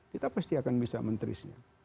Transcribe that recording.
kita pasti akan bisa menterisnya